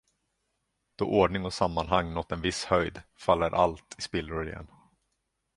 Då ordning och sammanhang nått en viss höjd, faller allt i spillror igen.